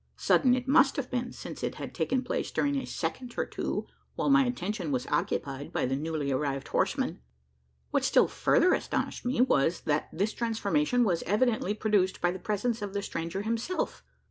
Sudden it must have been, since it had taken place during a second or two, while my attention was occupied by the newly arrived horseman. What still further astonished me, was, that this transformation was evidently produced by the presence of the stranger himself!